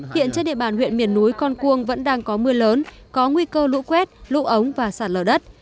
hiện trên địa bàn huyện miền núi con cuông vẫn đang có mưa lớn có nguy cơ lũ quét lũ ống và sạt lở đất